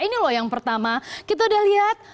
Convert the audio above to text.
ini loh yang pertama kita udah lihat